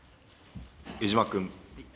江島君。